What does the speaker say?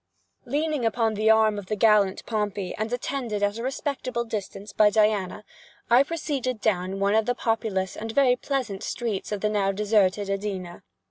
Leaning upon the arm of the gallant Pompey, and attended at a respectable distance by Diana, I proceeded down one of the populous and very pleasant streets of the now deserted Edina.